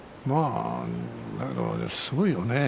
だけど、すごいよね